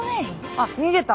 あっ逃げた。